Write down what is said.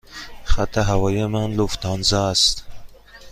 خط هوایی من لوفتانزا است.